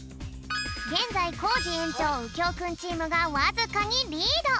げんざいコージ園長うきょうくんチームがわずかにリード。